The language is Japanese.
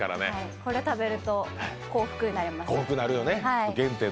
これ食べると幸福になります。